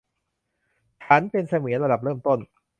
ฉันเป็นเสมียนระดับเริ่มต้น